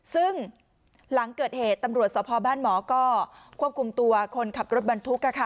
ซึ่งหลังเกิดเหตุตำรวจสพบ้านหมอก็ควบคุมตัวคนขับรถบรรทุก